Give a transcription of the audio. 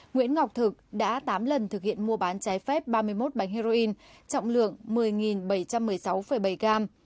nguyễn ngọc thực đã tám lần thực hiện mua bán trái phép ba mươi một bánh heroin trọng lượng một mươi bảy trăm một mươi sáu bảy gram